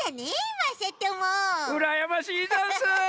うらやましいざんす！